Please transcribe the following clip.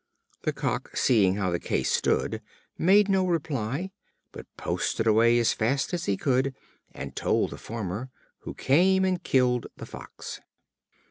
The Cock, seeing how the case stood, made no reply, but posted away as fast as he could, and told the farmer, who came and killed the Fox.